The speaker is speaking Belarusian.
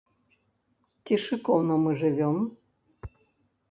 Ці шыкоўна мы жывём?